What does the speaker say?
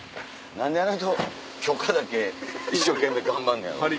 何であの人許可だけ一生懸命頑張んのやろ？